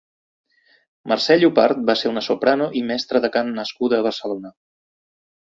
Mercè Llopart va ser una soprano i mestra de cant nascuda a Barcelona.